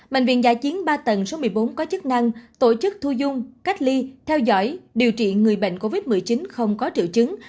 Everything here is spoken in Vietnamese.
bệnh viện giả chiến ba tầng số một mươi bốn có chức năng tổ chức thu dung cách ly theo dõi điều trị người bệnh covid một mươi chín không có triệu chứng